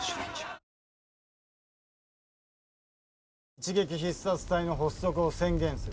一撃必殺隊の発足を宣言する。